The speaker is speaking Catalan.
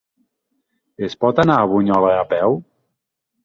Es pot anar a Bunyola a peu?